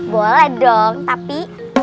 boleh dong tapi